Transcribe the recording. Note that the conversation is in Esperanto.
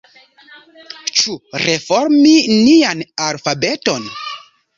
Ĉu reformi nian alfabeton?